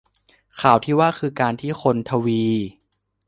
ข่าวที่ว่า คือ การที่คนทวี